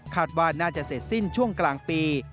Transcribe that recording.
ว่าน่าจะเสร็จสิ้นช่วงกลางปี